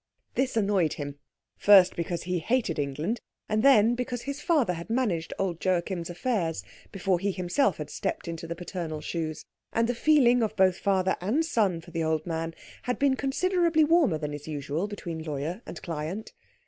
This annoyed him; first because he hated England and then because his father had managed old Joachim's affairs before he himself had stepped into the paternal shoes, and the feeling of both father and son for the old man had been considerably warmer than is usual between lawyer and client.